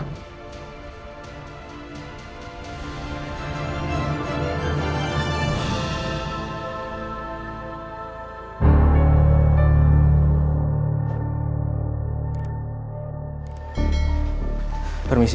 jadi kita bisa berjaga jaga